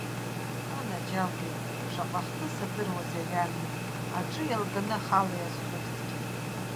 Анаџьалбеит, шаҟа хҭыс адыруазеи ари амҩа, аҿы еилганы ахала иазҳәозҭгьы!